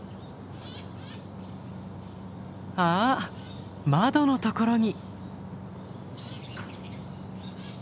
あっ窓のところに。